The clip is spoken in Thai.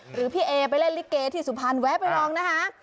หรือพี่เอไปเล่นลิเกที่สุพรรณแวะไปลองนะคะ